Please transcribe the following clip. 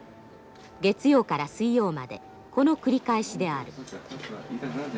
月曜から水曜までこの繰り返しである。